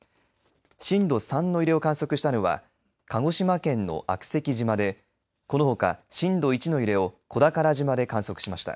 震度３の揺れを観測したのは鹿児島県の悪石島でこのほか震度１の揺れを小宝島で観測しました。